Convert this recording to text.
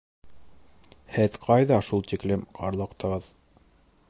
Һеҙ ҡайҙа шул тиклем ҡарлыҡтығыҙ?